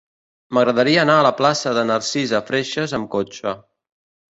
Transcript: M'agradaria anar a la plaça de Narcisa Freixas amb cotxe.